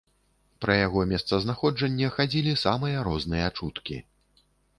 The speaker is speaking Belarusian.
Пра яго месцазнаходжанне хадзілі самыя розныя чуткі.